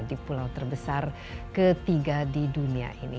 di pulau terbesar ketiga di dunia ini